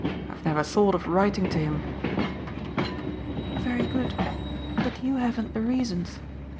"I've never thought of writing to him." "Very good. But you haven't the reasons.